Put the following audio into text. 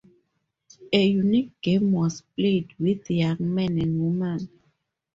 A unique game was played with young men and women.